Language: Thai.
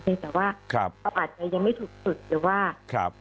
เพียงแต่ว่าอาจจะยังไม่ถูกสุดหรือว่า